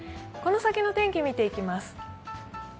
この先の天気を見ていきます。